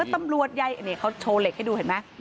ตำรวจใยเขาโชว์เหล็กให้ดูเห็นมั้ย